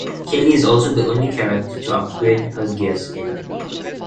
Kelly is also the only character to upgrade her gearskin.